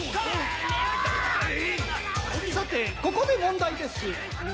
さてここで問題です